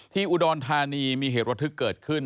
ที่อุดรธานีมีเหตุวัตรธึกเกิดขึ้น